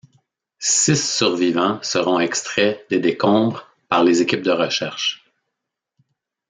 Six survivants seront extraits des décombres par les équipes de recherches.